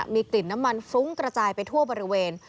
มีกลิ่นน้ำมันฟรุ้งกระจายไปทั่วบริเวณ